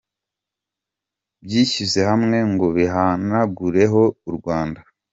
byishyize hamwe ngo bihanagureho u Rwanda.